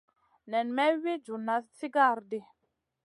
Nen may wi djuna sigara di.